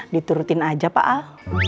diterutin aja pak al